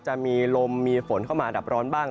จะมีลมมีฝนเข้ามาดับร้อนบ้าง